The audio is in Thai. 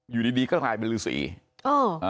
อยู่ดีก็กลายเป็นรูสือ